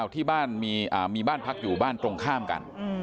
ที่บ้านมีบ้านพักอยู่บ้านตรงข้ามกัน